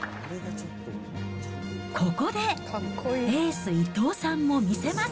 ここで、エース、伊藤さんも魅せます。